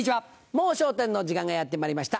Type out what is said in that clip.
『もう笑点』の時間がやってまいりました。